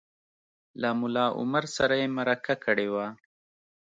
له ملا عمر سره یې مرکه کړې وه